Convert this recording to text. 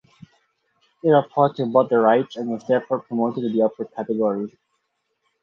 Irapuato bought the rights and was therefore promoted to the upper category.